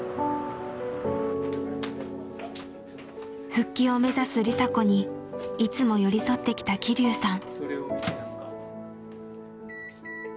復帰を目指す梨紗子にいつも寄り添ってきた希龍さん。